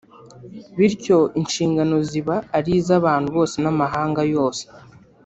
bityo inshingano ziba ari iz’abantu bose n’amahanga yose